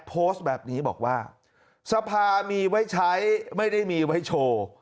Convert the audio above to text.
โพสต์แบบนี้บอกว่าสภามีไว้ใช้ไม่ได้มีไว้โชว์